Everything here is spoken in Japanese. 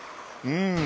うん。